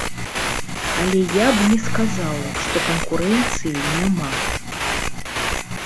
Але я б не сказаў, што канкурэнцыі няма.